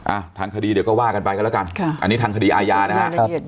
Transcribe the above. ทางคดีเดี๋ยวก็ว่ากันไปกันแล้วกันอันนี้ทางคดีอาญานะครับ